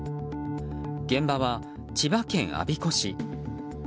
現場は千葉県我孫子市。